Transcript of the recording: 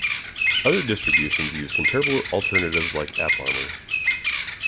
Other distributions use comparable alternatives like AppArmor.